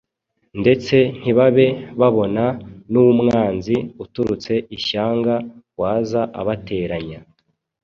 ndetse ntibabe babona n' umwanzi uturutse ishyanga waza abateranya